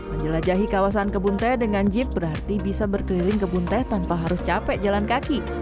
menjelajahi kawasan kebun teh dengan jeep berarti bisa berkeliling kebun teh tanpa harus capek jalan kaki